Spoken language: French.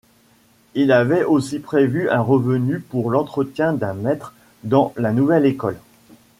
Il avait aussi prévu un revenu pour l’entretien d’un maître dans la nouvelle école.